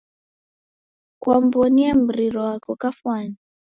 Kwamw'onie mrio wako kafwani?